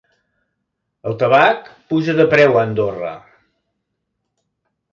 El tabac puja de preu a Andorra